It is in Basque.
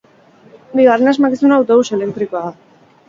Bigarren asmakizuna autobus elektrikoa da.